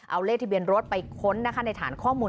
เอาเลขทะเบียนรถไปค้นนะคะในฐานข้อมูล